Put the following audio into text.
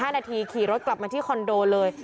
๕นาทีขี่รถกลับมาที่คอนโดเลย